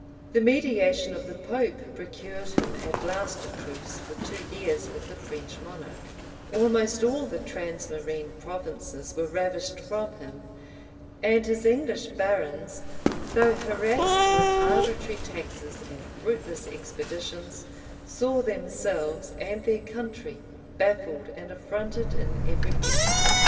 The mediation of the pope procured him at last a truce for two years with the French monarch;[*] almost all the transmarine provinces were ravished from him; and his English barons, though harassed with arbitrary taxes and fruitless expeditions, saw themselves and their country baffled and affronted in every enterprise.